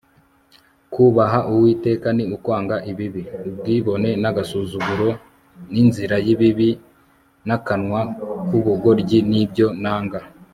kubaha uwiteka ni ukwanga ibibi; ubwibone n'agasuzuguro n'inzira y'ibibi n'akanwa k'ubugoryi ni byo nanga